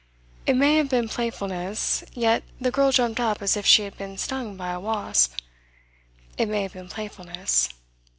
It may have been playfulness, yet the girl jumped up as if she had been stung by a wasp. It may have been playfulness.